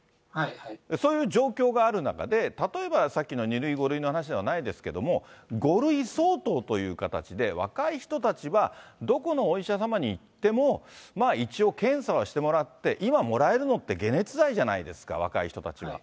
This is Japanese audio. そういう状況がある中で、例えばさっきの２類、５類の話ではないですけども、５類相当という形で若い人たちはどこのお医者様に行っても、まあ、一応検査はしてもらって、今もらえるのって解熱剤じゃないですか、若い人たちは。